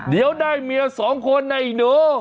เดี๋ยวได้เมียสองคนนะไอ้หนู